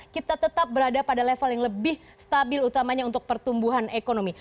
kita tetap berada pada level yang lebih stabil utamanya untuk pertumbuhan ekonomi